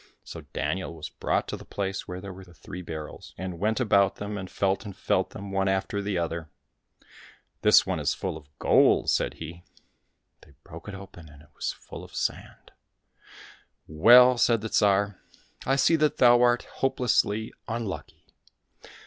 So Daniel was brought to the place where were the three barrels, and went about them and felt and felt them one after the other. " This one is full of gold !" said he. They 112 THE STORY OF UNLUCKY DANIEL broke it open and it was full of sand. " Well," said the Tsar, " I see that thou art hopelessly unlucky.